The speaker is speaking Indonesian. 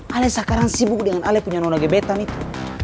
alisa sekarang sibuk dengan ale punya nona gebetan itu